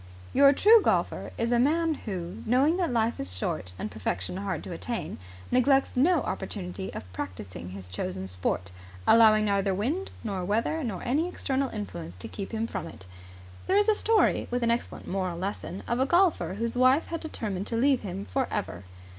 Your true golfer is a man who, knowing that life is short and perfection hard to attain, neglects no opportunity of practising his chosen sport, allowing neither wind nor weather nor any external influence to keep him from it. There is a story, with an excellent moral lesson, of a golfer whose wife had determined to leave him for ever.